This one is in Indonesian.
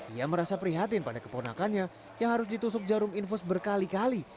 ia merasa prihatin pada keponakannya yang harus ditusuk jarum infus berkali kali